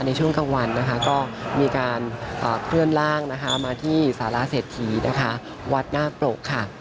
ในช่วงกลางวันก็มีการเคลื่อนล่างมาที่สาราเศรษฐีวัดหน้าโปรกค่ะ